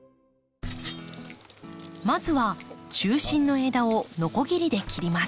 まずは中心の枝をのこぎりで切ります。